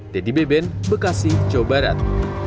dedy beben bekasi jawa barat